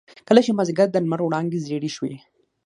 کله چې مازيګر د لمر وړانګې زيړې شوې.